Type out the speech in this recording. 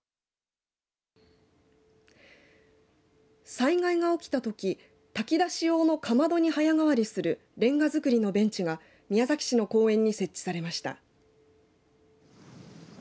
災害が起きたとき炊き出し用のかまどに早変わりするれんが造りのベンチが宮崎市の公園に設置されました。